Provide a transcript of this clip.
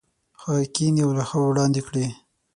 هغه کښېني او لوحه وړاندې کوي.